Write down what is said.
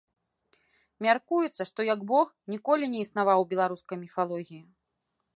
Мяркуецца, што як бог ніколі не існаваў у беларускай міфалогіі.